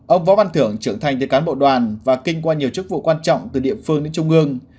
ông võ văn thưởng trưởng thành từ cán bộ đoàn và kinh qua nhiều chức vụ quan trọng từ địa phương đến trung ương